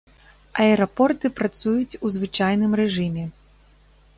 Аэрапорты працуюць у звычайным рэжыме.